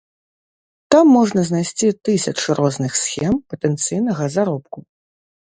Там можна знайсці тысячы розных схем патэнцыйнага заробку.